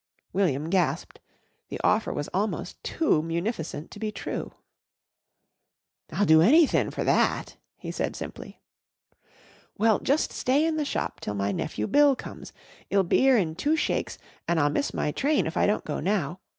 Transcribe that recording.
William gasped. The offer was almost too munificent to be true. "I'll do anythin' for that," he said simply. "Well, just stay in the shop till my nephew Bill comes. 'E'll be 'ere in two shakes an' I'll miss my train if I don't go now.